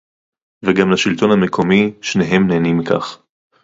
וגם לשלטון המקומי, שניהם נהנים מכך